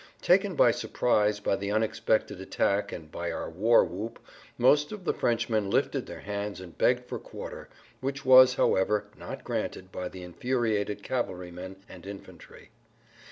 Taken by surprise by the unexpected attack and our war whoop, most of the Frenchmen lifted their hands and begged for quarter, which was, however, not granted by the infuriated cavalrymen and infantry.